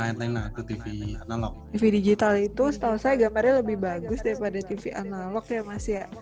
tv digital itu setahu saya gambarnya lebih bagus daripada tv analog ya mas ya